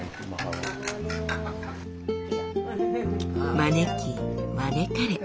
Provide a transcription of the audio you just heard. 招き招かれ。